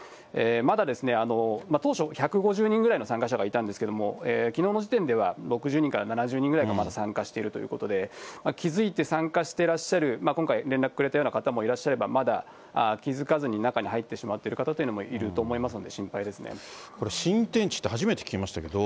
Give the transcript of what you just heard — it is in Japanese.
まだ当初、１５０人ぐらいの参加者がいたんですけども、きのうの時点では６０人から７０人ぐらいがまだ参加しているということで、気付いて参加してらっしゃる、今回、連絡くれたような方もいらっしゃれば、まだ気づかずに中に入ってしまっている方というのもいると思いまこれ、新天地って、初めて聞きましたけど。